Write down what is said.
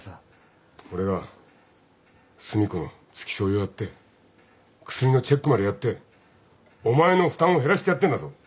俺が寿美子の付き添いをやって薬のチェックまでやってお前の負担を減らしてやってんだぞ。